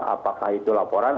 apakah itu laporan